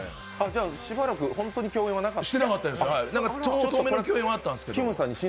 しばらく本当に共演はなかった？